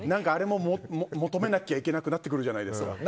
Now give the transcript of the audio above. あれも求めなきゃいけなくなってくるじゃないですか。